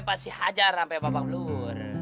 pasti hajar sampai babak belur